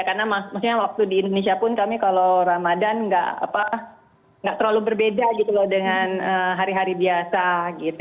karena maksudnya waktu di indonesia pun kami kalau ramadan tidak terlalu berbeda gitu loh dengan hari hari biasa gitu